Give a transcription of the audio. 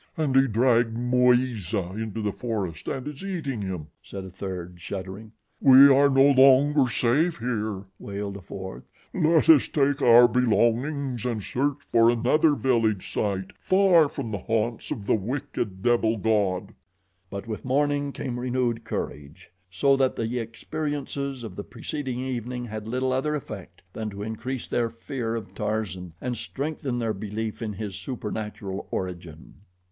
"And he dragged Mweeza into the forest and is eating him," said a third, shuddering. "We are no longer safe here," wailed a fourth. "Let us take our belongings and search for another village site far from the haunts of the wicked devil god." But with morning came renewed courage, so that the experiences of the preceding evening had little other effect than to increase their fear of Tarzan and strengthen their belief in his supernatural origin.